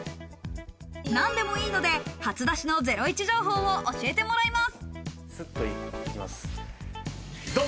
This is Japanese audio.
何でもいいので初出しのゼロイチ情報を教えてもらいます。